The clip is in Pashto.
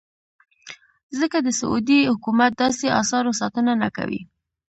ځکه د سعودي حکومت داسې اثارو ساتنه نه کوي.